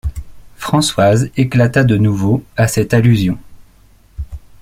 Françoise éclata de nouveau, à cette allusion.